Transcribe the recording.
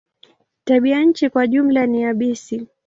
Tabianchi kwa jumla ni yabisi.